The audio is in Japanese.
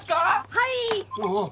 はい！